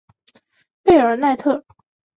贝尔特奈。